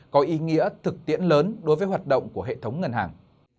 có ý nghĩa thực tiễn lớn đối với hoạt động của hệ thống ngân hàng